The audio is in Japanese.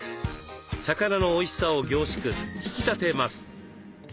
魚のおいしさを凝縮引き立てます。